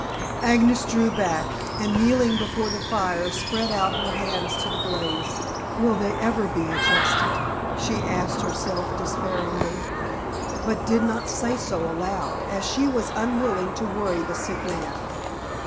Agnes drew back, and, kneeling before the fire, spread out her hands to the blaze. "Will they ever be adjusted?" she asked herself despairingly, but did not say so aloud, as she was unwilling to worry the sick man.